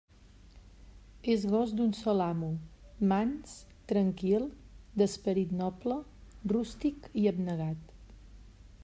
És gos d'un sol amo, mans, tranquil, d'esperit noble, rústic i abnegat.